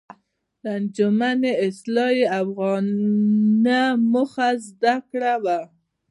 د انجمن اصلاح الافاغنه موخه زده کړه وه.